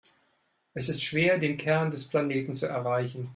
Es ist schwer, den Kern des Planeten zu erreichen.